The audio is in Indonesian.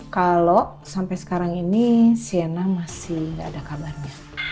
kalau sampai sekarang ini sienna masih enggak ada kabarnya